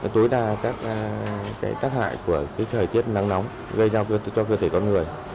tối đa các tác hại của thời tiết nắng nóng gây ra cho cơ thể con người